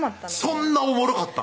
そんなおもろかった？